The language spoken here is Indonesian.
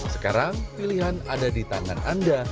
sekarang pilihan ada di tangan anda